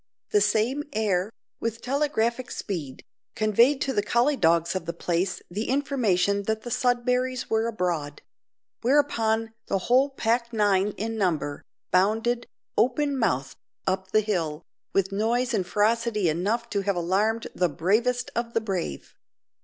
The same air, with telegraphic speed, conveyed to the collie dogs of the place the information that the Sudberrys were abroad; whereupon the whole pack nine in number bounded open mouthed up the hill, with noise and ferocity enough to have alarmed the bravest of the brave.